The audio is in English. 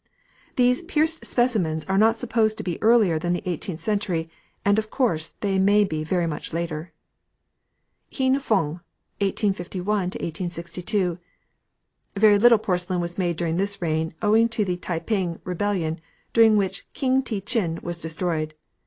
These pierced specimens are not supposed to be earlier than the eighteenth century, and of course they may be very much later. HEEN FUNG (1851 1862). Very little porcelain was made during this reign, owing to the Tai ping rebellion, during which King te chin was destroyed.